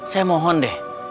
saya mohon deh